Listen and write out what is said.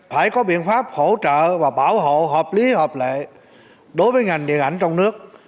phải có biện pháp hỗ trợ và bảo hộ hợp lý hợp lệ đối với ngành điện ảnh trong nước